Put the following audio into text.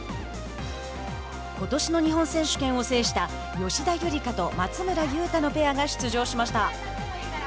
ことしの日本選手権を制した吉田夕梨花と松村雄太のペアが出場しました。